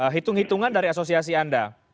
hitung hitungan dari asosiasi anda